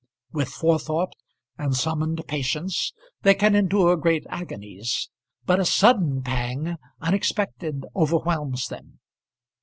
With forethought and summoned patience they can endure great agonies; but a sudden pang, unexpected, overwhelms them.